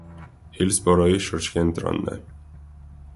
Հիլսբորոյի շրջկենտրոնն է։